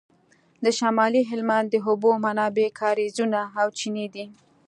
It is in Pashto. د شمالي هلمند د اوبو منابع کاریزونه او چینې دي